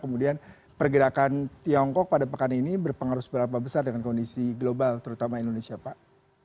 kemudian pergerakan tiongkok pada pekan ini berpengaruh seberapa besar dengan kondisi global terutama indonesia pak